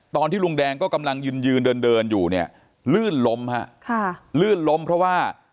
ตอนที่ลุงแดงก็กำลังยืนยืนเดินเดินอยู่เนี่ยลื่นล้มฮะค่ะลื่นล้มเพราะว่า